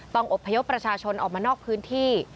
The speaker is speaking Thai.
อบพยพประชาชนออกมานอกพื้นที่